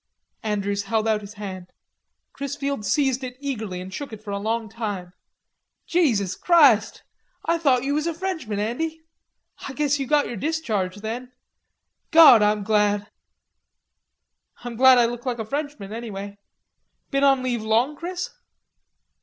Andrews held out his hand. Chrisfield seized it eagerly and shook it for a long time. "Jesus Christ! Ah thought you was a Frenchman, Andy.... Ah guess you got yer dis charge then. God, Ah'm glad." "I'm glad I look like a Frenchman, anyway.... Been on leave long, Chris?"